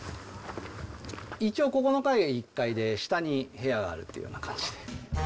一応、ここの階が１階で、下に部屋があるというような感じで。